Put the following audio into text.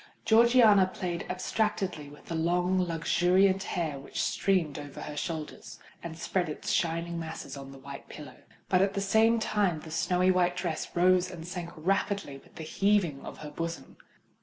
Georgiana played abstractedly with the long, luxuriant hair which streamed over her shoulders, and spread its shining masses on the white pillow; but at the same time the snowy night dress rose and sank rapidly with the heavings of her bosom.